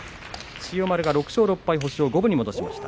千代丸が６勝６敗、星を五分に戻しました。